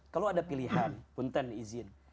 kalau ada pilihan punten izin